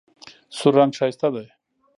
سور رنګ ښایسته دی.